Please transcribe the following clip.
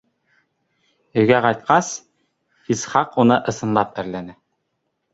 Өйгә ҡайтҡас, Исхаҡ уны ысынлап әрләне: